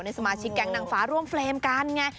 ในสมาชิกกลางฟ้าร่วมเฟรมกันไง